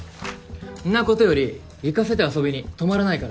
んなことより行かせて遊びに泊まらないから。